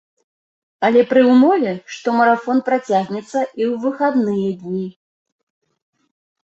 Але пры ўмове, што марафон працягнецца і ў выхадныя дні.